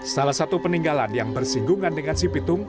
salah satu peninggalan yang bersinggungan dengan si pitung